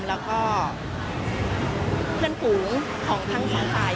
แล้วก็เพื่อนผูท์ของทั้ง๒ปลาย